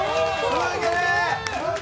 すげえ！